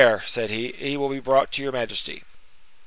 said he, "he will be brought to your majesty."